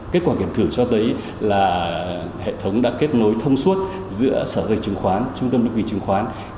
kết quả kiểm thử cho thấy là hệ thống đã kết nối thông suốt giữa sở dự trứng khoán trung tâm lưu kỳ chứng khoán